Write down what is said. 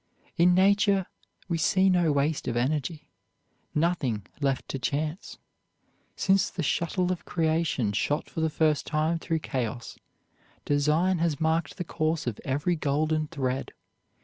In nature we see no waste of energy, nothing left to chance. Since the shuttle of creation shot for the first time through chaos, design has marked the course of every golden thread.